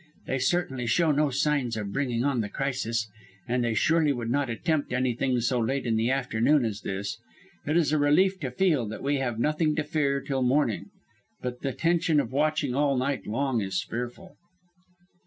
They certainly show no signs of bringing on the crisis, and they surely would not attempt anything so late in the afternoon as this. It is a relief to feel that we have nothing to fear till morning, but the tension of watching all night long is fearful.